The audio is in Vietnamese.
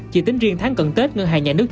chỉ tính riêng tháng cận tết ngân hàng nhà nước